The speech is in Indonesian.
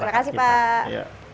terima kasih pak